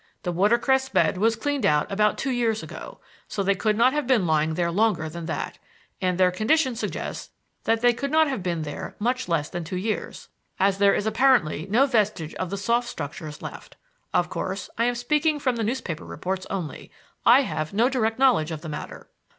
The watercress bed was cleaned out about two years ago, so they could not have been lying there longer than that; and their condition suggests that they could not have been there much less than two years, as there is apparently no vestige of the soft structures left. Of course, I am speaking from the newspaper reports only; I have no direct knowledge of the matter."